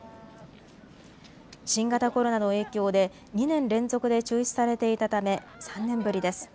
新型コロナの影響で２年連続で中止されていたため３年ぶりです。